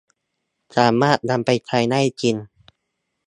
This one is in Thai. สามารถนำไปใช้ได้จริง